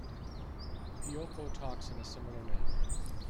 Piyoko talks in a similar manner.